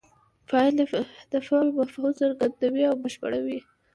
فاعل د فعل مفهوم څرګندوي او بشپړوي.